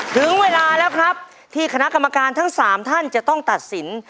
ถึงเวลาแล้วครับที่คณะกรรมการทั้ง๓ท่านจะต้องตัดสิน